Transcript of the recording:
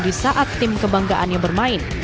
di saat tim kebanggaannya bermain